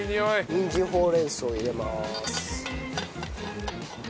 にんじんほうれんそう入れます。